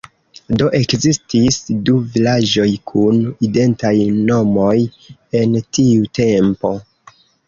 Do ekzistis du vilaĝoj kun identaj nomoj en tiu tempo.